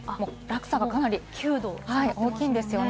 落差がかなり大きいんですよね。